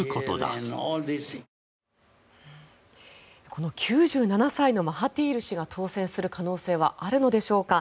この９７歳のマハティール氏が当選する可能性はあるのでしょうか。